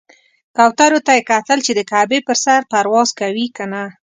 کوترو ته یې کتل چې د کعبې پر سر پرواز کوي کنه.